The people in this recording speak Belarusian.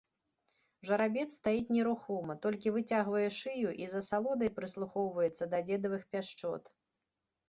Жарабец стаіць нерухома, толькі выцягвае шыю і з асалодай прыслухоўваецца да дзедавых пяшчот.